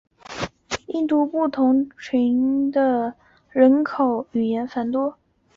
印度不同族群人口间口头语言纷繁众多。